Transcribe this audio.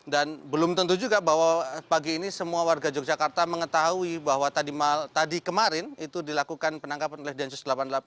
dan belum tentu juga bahwa pagi ini semua warga yogyakarta mengetahui bahwa tadi kemarin itu dilakukan penangkapan oleh densus delapan puluh delapan